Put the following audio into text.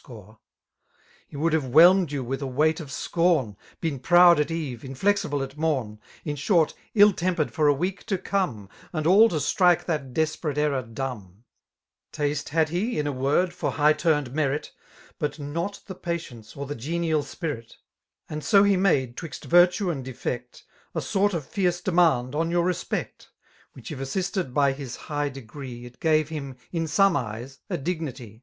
score :: He would have whelmed you with a weightof BOOfn^' Been proud at eve, inflexible at mom> In short, ill tempered for a wedk to corne^ And all to strike that desperate error dumli* Taste had he, in a word, for high tnraiOd merit* But not the patience^ or the geninl spirit 3 > And so he made, 'twixt virtue and defect, A sort of fierce demand on your respectr^ Which, if assisted by his high degree. It gave him in some eyes a dignity.